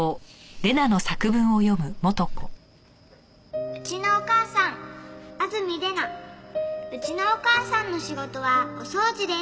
「『うちのお母さん』安積礼菜」「うちのお母さんの仕事はお掃除です」